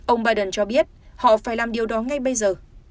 ông biden cho biết họ phải làm điều đó ngay bây giờ